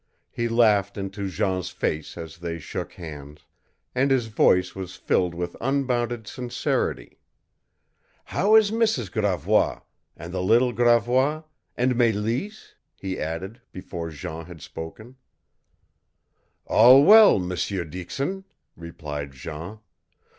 He laughed into Jean's face as they shook hands, and his voice was filled with unbounded sincerity. "How is Mrs. Gravois, and the little Gravois and Mélisse?" he added, before Jean had spoken. "All well, M'seur Dixon," replied Jean.